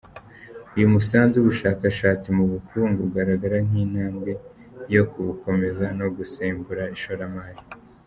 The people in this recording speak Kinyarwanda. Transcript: Uyu musanzu w’ubushakashatsi mu bukungu ugaragara nk’intambwe yo kubukomeza, no gusembura ishoramari.